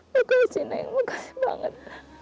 makasih neng makasih banget